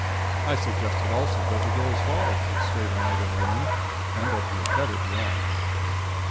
I suggested also that the girl's father should stay the night in the room and that he had better be armed.